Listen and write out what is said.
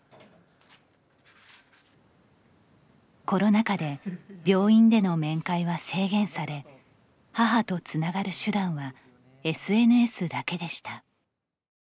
コロナ禍で病院での面会は制限され母とつながる手段はＳＮＳだけでした。